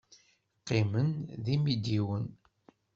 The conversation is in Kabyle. Qqimen d imidiwen.